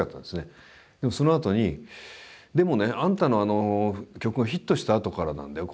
でもそのあとに「でもねあんたのあの曲がヒットしたあとからなんだよ。